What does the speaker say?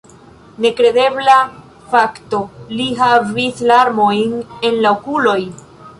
Nekredebla fakto: li havis larmojn en la okuloj!